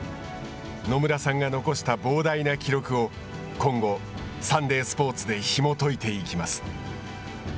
野村さんが残した膨大な記録を今後、サンデースポーツでひもといていきます。